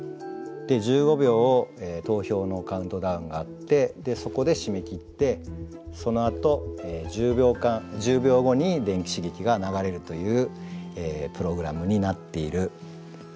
１５秒投票のカウントダウンがあってそこで締め切ってそのあと１０秒１０秒後に電気刺激が流れるというプログラムになっているはずです。